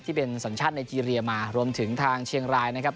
ที่เป็นสัญชาติไนเกีเรียมารวมถึงทางเชียงรายนะครับ